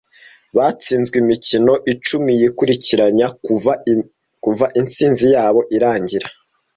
Batsinzwe imikino icumi yikurikiranya kuva intsinzi yabo irangira.